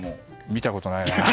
見たことないな。